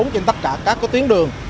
trên tất cả các tuyến đường